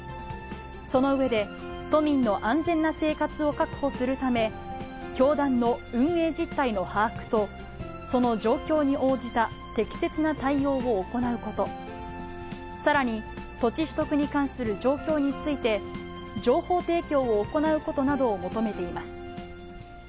その上で、都民の安全な生活を確保するため、教団の運営実態の把握と、その状況に応じた適切な対応を行うこと、さらに土地取得に関する状況について、情報提供を行うことなどを求めています。